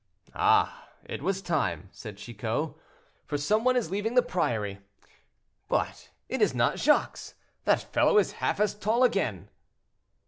"Ah! it was time," said Chicot, "for some one is leaving the priory. But it is not Jacques; that fellow is half as tall again."